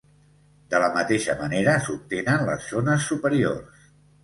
De la mateixa manera s'obtenen les zones superiors.